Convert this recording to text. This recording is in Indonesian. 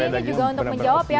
jadi ini juga untuk menjawab ya